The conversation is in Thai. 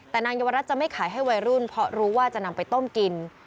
แต่นางเยาวรัฐจะไม่ขายให้วัยรุ่นเพราะรู้ว่าจะนำไปต้มกิน